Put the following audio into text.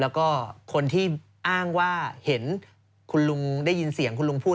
แล้วก็คนที่อ้างว่าเห็นคุณลุงได้ยินเสียงคุณลุงพูด